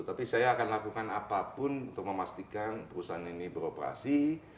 tapi saya akan lakukan apapun untuk memastikan perusahaan ini beroperasi